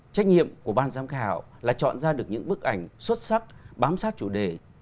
trách nhiệm của ban giám khảo là chọn ra được những bức ảnh xuất sắc bám sát chủ đề